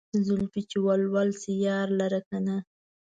زلفې چې ول ول شي يار لره کنه